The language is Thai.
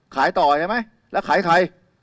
แผ่ยต่อใช่มั้ยแล้วขายใคร